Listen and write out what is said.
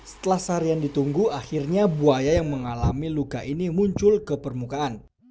setelah seharian ditunggu akhirnya buaya yang mengalami luka ini muncul ke permukaan